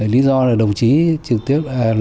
lý do là đồng chí trực tiếp